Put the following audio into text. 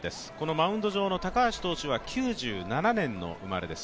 マウンド上の高橋投手は９７年の生まれです。